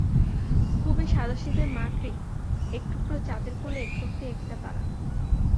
খুবই সাদাসিধে মাকড়ি, একটুকরা চাঁদের কোলে একরত্তি একটা তারা।